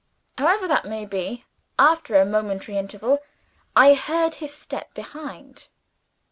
However that may be, after a momentary interval, I heard his step behind.